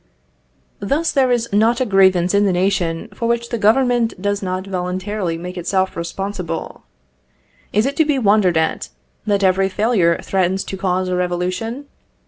Thus, there is not a grievance in the nation for which the Government does not voluntarily make itself responsible. Is it to be wondered at that every failure threatens to cause a revolution?